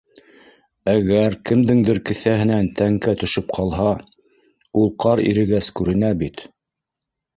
Әгәр кемдеңдер кеҫәһенән тәңкә төшөп ҡалһа, ул ҡар ирегәс күренә бит.